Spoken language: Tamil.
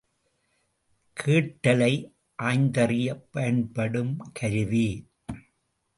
கேட்டலை ஆய்ந்தறியப் பயன்படுங் கருவி.